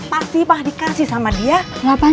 pasti pak dikasih sama dia